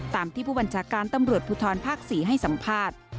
ตามที่ผู้บัญชาการตำรวจภูทรภาค๔ให้สัมภาษณ์